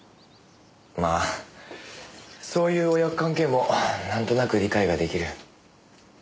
まあそういう親子関係もなんとなく理解が出来る。